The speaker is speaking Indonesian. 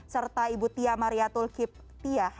serta ibu tia mariatul kip tia